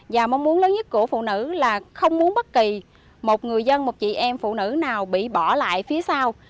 và mong muốn lớn nhất của phụ nữ là không muốn bất kỳ một người dân một chị em phụ nữ nào bị bỏ lại phía sau